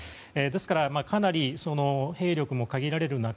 ですからかなり兵力も限られる中